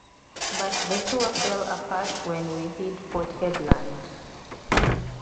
But the tour fell apart when we hit Port Hedland.